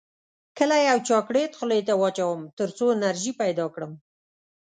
کله یو چاکلیټ خولې ته واچوم تر څو انرژي پیدا کړم